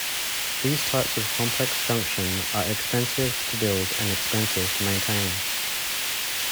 These types of complex junction are expensive to build and expensive to maintain.